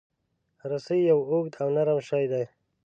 رسۍ یو اوږد او نرم شی دی.